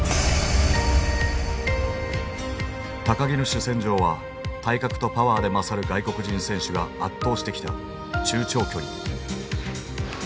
木の主戦場は体格とパワーで勝る外国人選手が圧倒してきた中長距離。